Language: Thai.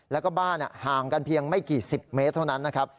แล้วก็บ้านห่างกันเพียงไม่กี่สิบเมตรเท่านั้นนะครับ